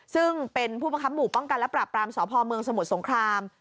ซึ่งเป็นผู้บังคับหมู่ป้องกันและปราบปรามสพเมืองสมุทรสงคราม